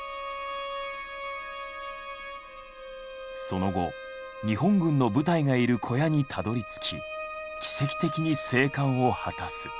その後日本軍の部隊がいる小屋にたどりつき奇跡的に生還を果たす。